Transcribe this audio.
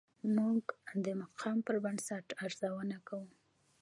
موږ د مقام پر بنسټ ارزونه کوو.